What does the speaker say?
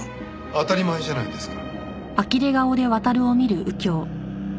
当たり前じゃないですか。